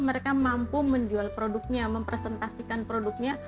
mereka mampu menjual produknya mempresentasikan produknya